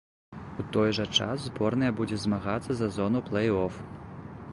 У той жа час зборная будзе змагацца за зону плэй-оф.